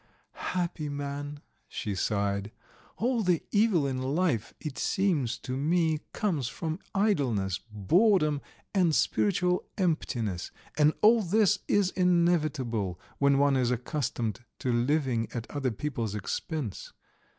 "Happy man!" she sighed. "All the evil in life, it seems to me, comes from idleness, boredom, and spiritual emptiness, and all this is inevitable when one is accustomed to living at other people's expense.